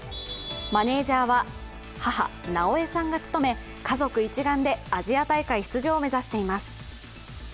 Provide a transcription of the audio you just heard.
マネージャーは、母・尚江さんが務め、家族一丸でアジア大会出場を目指しています。